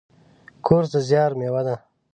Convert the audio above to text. کورس د زیار میوه ده.